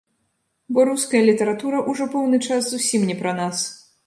Бо руская літаратура ўжо пэўны час зусім не пра нас.